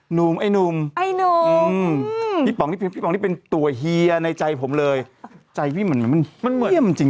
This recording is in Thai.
หนุ่มไอ้หนุ่มอืมพี่ป๋องนี่เป็นตัวเฮียในใจผมเลยใจพี่มันเยี่ยมจริง